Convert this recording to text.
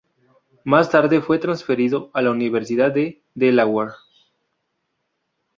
Más tarde fue transferido a la Universidad de Delaware.